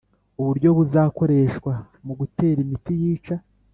Uburyo buzakoreshwa mu gutera imiti yica